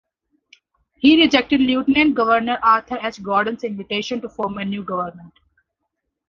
He rejected Lieutenant Governor Arthur H. Gordon's invitation to form a new government.